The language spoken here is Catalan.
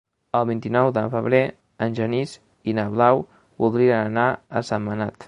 El vint-i-nou de febrer en Genís i na Blau voldrien anar a Sentmenat.